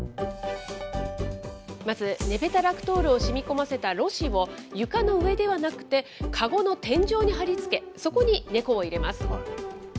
まず、ネペタラクトールをしみこませたろ紙を、床の上ではなくて籠の天井に貼り付け、そこにネコを入れます。